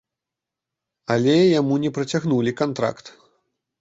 Але яму не працягнулі кантракт.